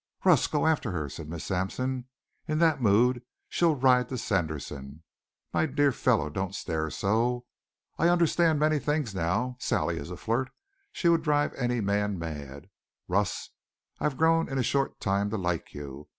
"Russ, go after her," said Miss Sampson. "In that mood she'll ride to Sanderson. My dear fellow, don't stare so. I understand many things now. Sally is a flirt. She would drive any man mad. Russ, I've grown in a short time to like you.